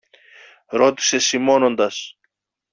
ρώτησε σιμώνοντας.